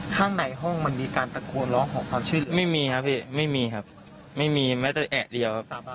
ไม่มีครับพี่ไม่มีครับไม่มีแม้แต่แอะเดียว